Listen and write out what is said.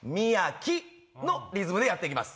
このリズムでやって行きます。